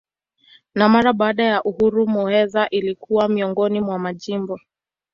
Na mara baada ya uhuru Muheza ilikuwa miongoni mwa majimbo.